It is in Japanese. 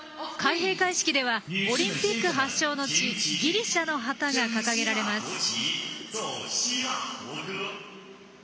開閉会式ではオリンピック発祥の地ギリシャの旗が掲げられます。